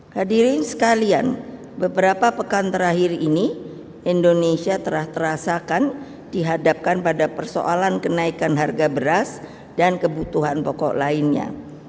hadirin sekalian beberapa pekan terakhir ini indonesia terasakan dihadapkan pada persoalan kenaikan harga beras dan kebutuhan pokok lainnya